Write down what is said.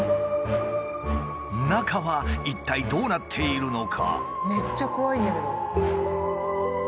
中は一体どうなっているのか？